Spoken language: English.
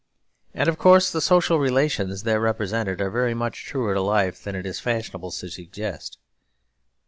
And, of course, the social relations there represented are very much truer to life than it is fashionable to suggest.